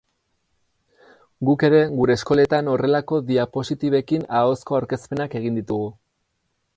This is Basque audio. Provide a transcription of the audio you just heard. Guk ere gure eskoletan horrelako diapositibekin ahozko aurkezpenak egin ditugu.